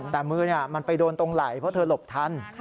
แต่มือมันไปโดนตรงไหล่เพราะเธอหลบทัน